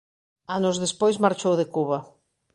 Anos despois marchou de Cuba.